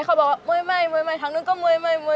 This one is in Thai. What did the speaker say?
เขาบอกว่ามวยใหม่ทั้งนึงก็มวยใหม่